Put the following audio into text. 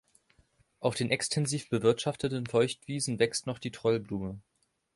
Auf den extensiv bewirtschafteten Feuchtwiesen wächst noch die Trollblume.